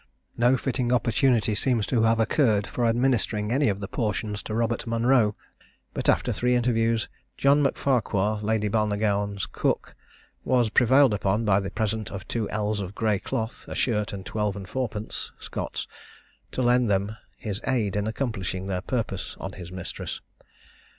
No fitting opportunity seems to have occurred for administering any of the portions to Robert Monro; but, after three interviews, John M'Farquhar, Lady Balnagown's cook, was prevailed upon by the present of two ells of grey cloth, a shirt, and twelve and fourpence (Scots), to lend them his aid in accomplishing their purpose on his mistress.